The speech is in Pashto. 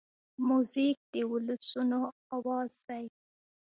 موزیک د ولسونو آواز دی.